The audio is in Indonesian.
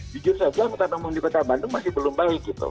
jujur saja angkutan umum di kota bandung masih belum baik gitu